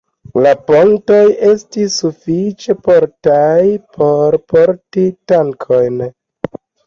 La pontoj estis sufiĉe fortaj por porti tankojn.